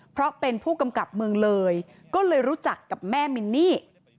เพราะเป็นผู้กำกับเมืองเลยก็เลยรู้จักกับแม่มินนี่